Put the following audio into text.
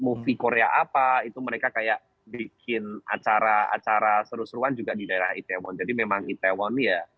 movie korea apa itu mereka kayak bikin acara acara seru seruan juga di daerah itaewon jadi memang itaewon ya